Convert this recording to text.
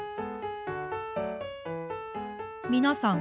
皆さん